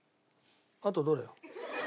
あとどれよ？